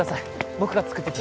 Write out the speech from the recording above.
僕が作ってた